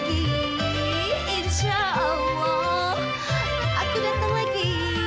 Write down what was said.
insya allah aku datang lagi